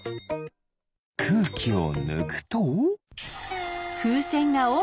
くうきをぬくと？